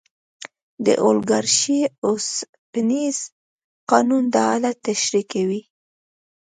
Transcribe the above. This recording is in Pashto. د اولیګارشۍ اوسپنیز قانون دا حالت تشریح کوي.